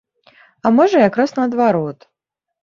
А можа, якраз наадварот.